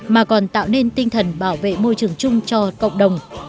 mà còn tạo nên tinh thần bảo vệ môi trường chung cho cộng đồng